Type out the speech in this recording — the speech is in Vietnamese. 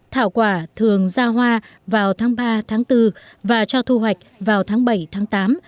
thảo quả thường ra hoa vào tháng ba tháng bốn và cho thu hoạch vào tháng bảy tám